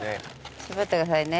待ってくださいね。